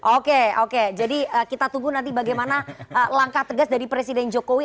oke oke jadi kita tunggu nanti bagaimana langkah tegas dari presiden jokowi